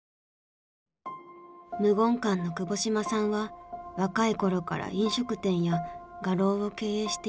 無言館の窪島さんは若い頃から飲食店や画廊を経営していました。